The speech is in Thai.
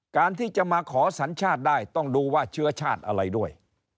การที่จะมาขอสัญชาติได้ต้องดูว่าเชื้อชาติอะไรด้วย